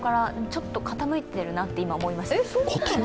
ちょっと傾いているなと今、思いました。